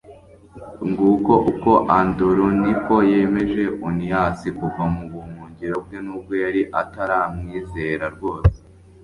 nguko uko andoroniko yemeje oniyasi kuva mu buhungiro bwe n'ubwo yari ataramwizera rwose